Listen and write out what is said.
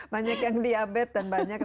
banyak yang diabetes dan banyak